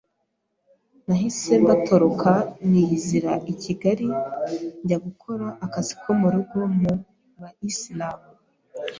nahise mbatoroka niyizira I Kigali njya gukora akazi ko murugo mu ba islam,